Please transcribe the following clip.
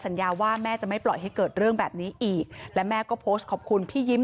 สัญญาว่าแม่จะไม่ปล่อยให้เกิดเรื่องแบบนี้อีกและแม่ก็โพสต์ขอบคุณพี่ยิ้ม